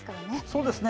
そうですね。